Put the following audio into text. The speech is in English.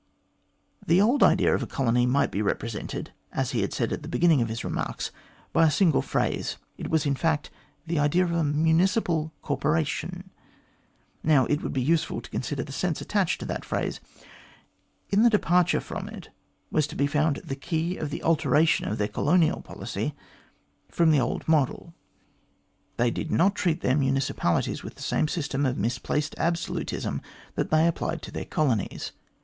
The old idea of a colony might be represented, as he had said at the beginning of his remarks, by a single phrase it was in fact the idea of a municipal corporation. Now, it would be useful to consider the sense attached to that phrase. In the departure from it was to be found the key of the alteration of their colonial policy from the old model. 212 THE GLADSTONE COLONY They did not treat their municipalities with the same system of misplaced absolutism that they applied to their colonies.